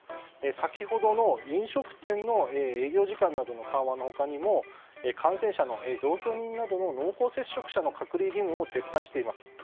先ほどの飲食店の営業時間などの緩和の他にも感染者の同居人などの濃厚接触者の隔離義務を撤廃しています。